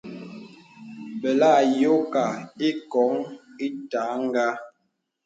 Belà ayókā īkǒn ìtərəŋhə.